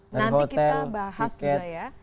nanti kita bahas ya